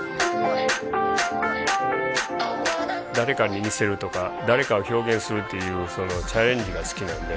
誰かに似せるとか誰かを表現するっていうそのチャレンジが好きなんで。